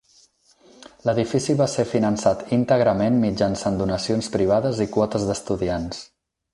L'edifici va ser finançat íntegrament mitjançant donacions privades i quotes d'estudiants.